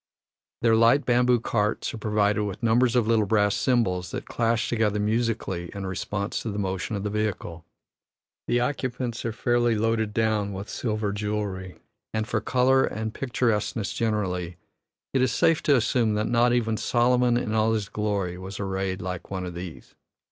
Their light bamboo carts are provided with numbers of little brass cymbals that clash together musically in response to the motion of the vehicle; the occupants are fairly loaded down with silver jewellery, and for color and picturesqueness generally it is safe to assume that "not even Solomon in all his glory was arrayed like one of these."